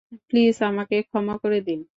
Please আমাকে ক্ষমা করে দিন।